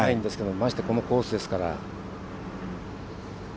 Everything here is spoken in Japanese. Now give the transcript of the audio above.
まして、このコースですから。